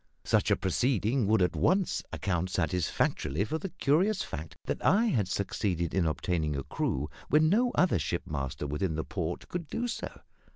Such a proceeding would at once account satisfactorily for the curious fact that I had succeeded in obtaining a crew when no other shipmaster within the port could do so.